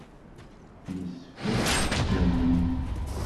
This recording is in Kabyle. Yessefk ad tt-tallem.